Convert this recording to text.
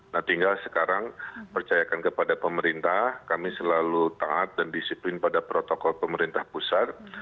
nah tinggal sekarang percayakan kepada pemerintah kami selalu taat dan disiplin pada protokol pemerintah pusat